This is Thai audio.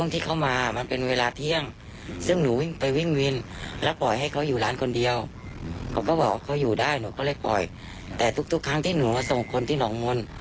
แต่ทุกครั้งที่หนูมาส่งคนที่หนองมนต์